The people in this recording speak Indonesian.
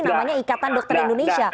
namanya ikatan dokter indonesia